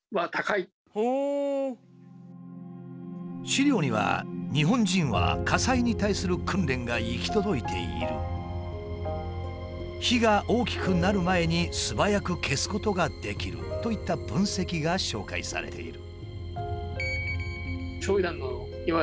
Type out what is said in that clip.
資料には「日本人は火災に対する訓練が行き届いている」「火が大きくなる前に素早く消すことができる」といった分析が紹介されている。